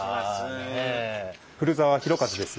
古澤宏和です。